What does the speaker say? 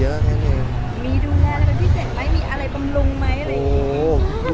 มีดูงานอะไรพิเศษไหมมีอะไรปำรุงไหม